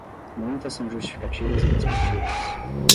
Muitas são justificativas e perspectivas.